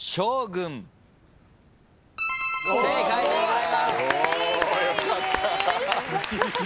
正解でございます。